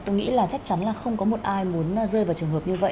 tôi nghĩ chắc chắn không có ai muốn rơi vào trường hợp như vậy